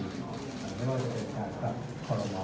สาเหตุจริงจริงที่ลาออกนี่คือได้รับการกดดันจากทางการ